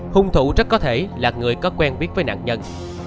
hung thủ rất có thể là người có quen biết với nạn nhân